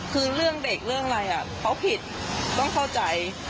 คือเรื่องเด็กเรื่องอะไรเขาผิดต้องเข้าใจ